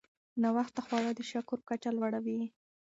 ناوخته خواړه د شکر کچه لوړوي.